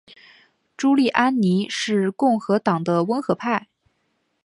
朱利安尼是共和党的温和派。